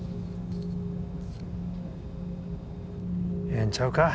ええんちゃうか？